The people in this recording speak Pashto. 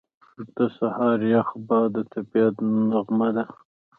• د سهار یخ باد د طبیعت نغمه ده.